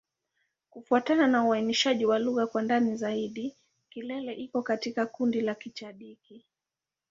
Kufuatana na uainishaji wa lugha kwa ndani zaidi, Kilele iko katika kundi la Kichadiki.